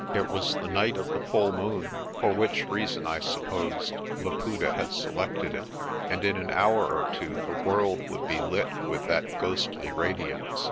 It was the night of the full moon for which reason, I supposed, Laputa had selected it and in an hour or two the world would be lit with that ghostly radiance.